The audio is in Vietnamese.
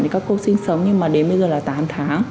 thì các cô sinh sống nhưng mà đến bây giờ là tám tháng